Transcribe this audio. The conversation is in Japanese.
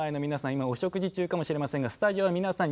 今お食事中かもしれませんがスタジオは皆さん